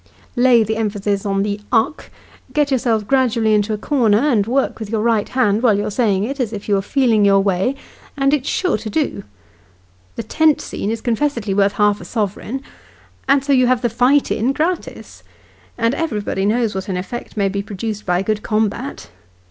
" Lay the emphasis on the " uck ;" get yourself gradually into a corner, and work with your right hand, while you're saying it, as if you were feeling your way, and it's sure to do. The tent scene is confessedly worth half a sovereign, and so you have the fight in, gratis, and everybody knows what an effect may be produced by a good combat.